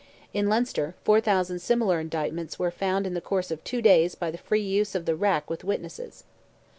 In Leinster, 4,000 similar indictments were found in the course of two days by the free use of the rack with witnesses.